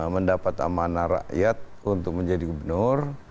mendapat amanah rakyat untuk menjadi gubernur